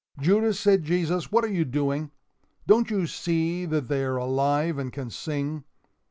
"Judas," said Jesus, "what are you doing? Don't you see that they are alive and can sing?"